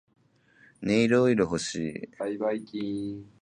ネイルオイル欲しい